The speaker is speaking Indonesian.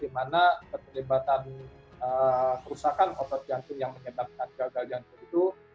di mana keterlibatan kerusakan otot jantung yang menyebabkan gagal jantung itu